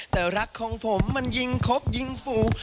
แต่รักของผมมันยิงครบยิงฟู